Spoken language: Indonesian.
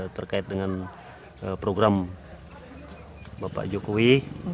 terkait dengan program bapak jokowi